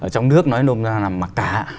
trong nước nói nôm ra là mặc cá